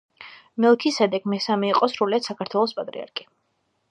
მელქისედეკ მესამე იყო სრულიად საქართველოს პატრიარქი